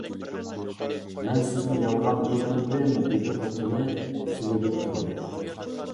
مەن سىزگە يالغان ئېيتمىدىم، -دېدى خوتۇنى تۈگۈلۈپ تۇرۇپ.